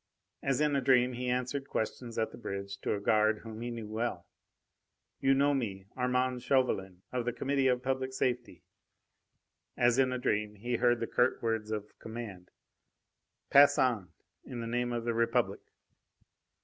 As in a dream he answered questions at the bridge to a guard whom he knew well. "You know me Armand Chauvelin, of the Committee of Public Safety!" As in a dream, he heard the curt words of command: "Pass on, in the name of the Republic!"